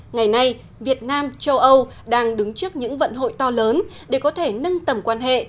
ngày nay việt nam châu âu đang đứng trước những vận hội to lớn để có thể nâng tầm quan hệ